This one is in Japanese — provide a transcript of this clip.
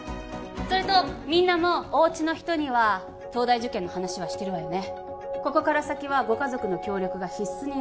それとみんなもうおうちの人には東大受験の話はしてるわよね？